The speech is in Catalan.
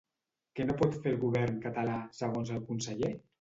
Què no pot fer el govern català, segons el conseller?